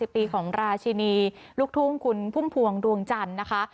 ปีของราชินีลูกทุ่งคุณพุ่มพวงดวงจันทร์นะคะ